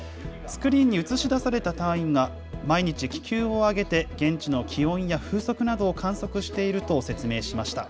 スクリーンに映し出された隊員が毎日、気球を上げて現地の気温や風速などを観測していると説明しました。